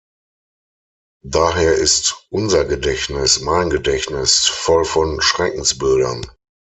Daher ist unser Gedächtnis, mein Gedächtnis, voll von Schreckensbildern.